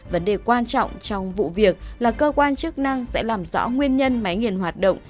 vấn đề quan trọng trong vụ việc là cơ quan chức năng sẽ làm rõ nguyên nhân máy nghiền hoạt động